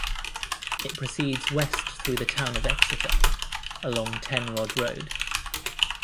It proceeds west through the town of Exeter along Ten Rod Road.